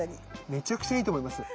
めちゃくちゃいいと思います。